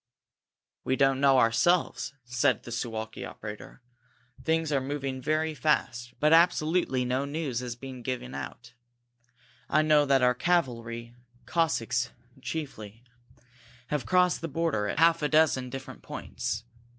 "We don't know ourselves," said the Suwalki operator. "Things are moving very fast, but absolutely no news is being given out. I know that our cavalry Cossacks, chiefly have crossed the border at half a dozen different points.